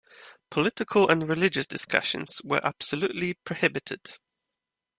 Political and religious discussions were absolutely prohibited.